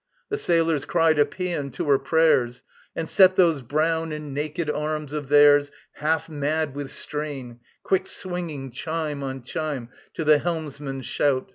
The sailors cried a paean to her prayers, And set those brown and naked arms of theirs, Half mad with strain, quick swinging chime on chime To the helmsman's shout.